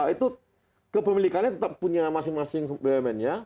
itu kepemilikannya tetap punya masing masing bumn nya